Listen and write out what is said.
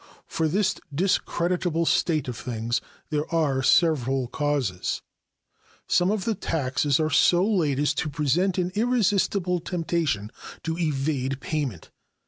For this discreditable state of things there are several causes. Some of the taxes are so laid as to present an irresistible temptation to evade payment.